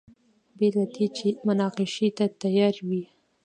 بې له دې چې مناقشې ته تیار وي.